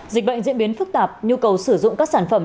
dịch bệnh diễn biến phức tạp nhu cầu sử dụng các sản phẩm